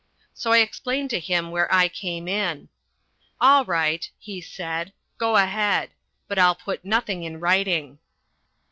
So I explained to him where I came in. "All right," he said. "Go ahead. But I'll put nothing in writing."